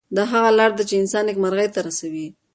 دا هغه لار ده چې انسان نیکمرغۍ ته رسوي.